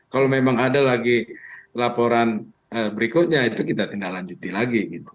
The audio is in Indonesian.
kalau memang ada lagi laporan berikutnya itu kita tindak lanjuti lagi